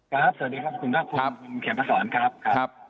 ครับสวัสดีครับคุณครับคุณเขียนผสรครับ